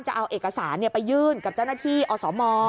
จะเอาเอกสารไปยื่นกับเจ้าหน้าที่อสม